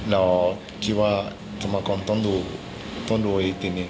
เราคิดว่าสมกรต้องดูอีกทีนี้